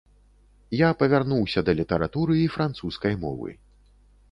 Я павярнуўся да літаратуры і французскай мовы.